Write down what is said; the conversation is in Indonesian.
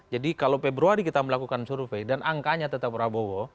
jadi kalau februari kita melakukan survei dan angkanya tetap prabowo